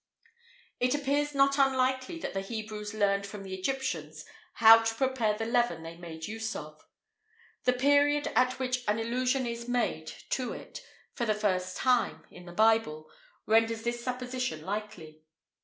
[IV 13] It appears not unlikely that the Hebrews learned from the Egyptians how to prepare the leaven they made use of. The period at which an allusion is made to it for the first time, in the Bible, renders this supposition likely.